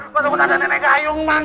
gua takut ada nenek gayung man